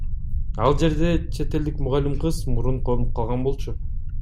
Ал жерде чет элдик мугалим кыз мурун конуп калган болчу.